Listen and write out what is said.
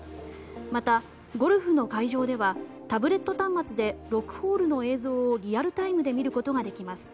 また、ゴルフの会場ではタブレット端末で６ホールの映像をリアルタイムで見ることができます。